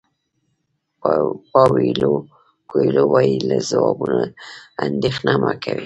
پاویلو کویلو وایي له ځوابونو اندېښنه مه کوئ.